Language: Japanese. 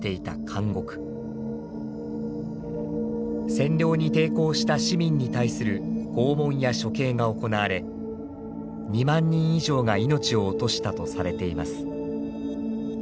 占領に抵抗した市民に対する拷問や処刑が行われ２万人以上が命を落としたとされています。